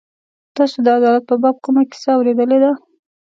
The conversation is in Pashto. تاسو د عدالت په باب کومه کیسه اورېدلې ده.